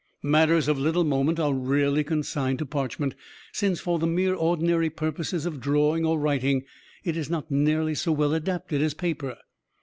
Matters of little moment are rarely consigned to parchment; since, for the mere ordinary purposes of drawing or writing, it is not nearly so well adapted as paper.